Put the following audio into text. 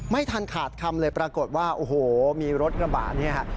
ไม่ทันขาดคำเลยปรากฏว่าโอ้โหมีรถกระบะเนี่ยฮะ